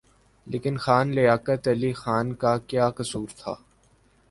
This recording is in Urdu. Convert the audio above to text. لیکن خان لیاقت علی خان کا کیا قصور تھا؟